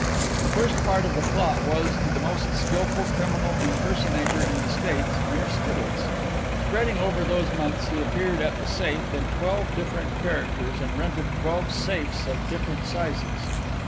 The first part of the plot was, to the most skilful criminal 'impersonator' in the States, mere skittles. Spreading over those months he appeared at 'The Safe' in twelve different characters and rented twelve safes of different sizes.